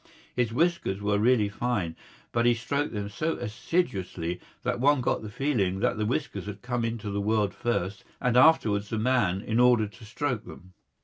His whiskers were really fine, but he stroked them so assiduously that one got the feeling that the whiskers had come into the world first and afterwards the man in order to stroke them.